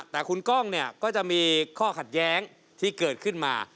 แต่คุณก้องก็จะมีข้อขัดย้างที่เกิดขึ้นมา